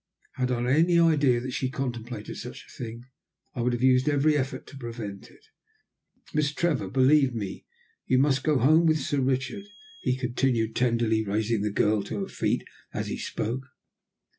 Had I any idea that she contemplated such a thing, I would have used every effort to prevent it. Miss Trevor, believe me, you must go home with Sir Richard," he continued, tenderly raising the girl to her feet as he spoke.